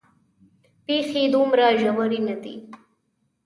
پېښې دومره ژورې نه دي.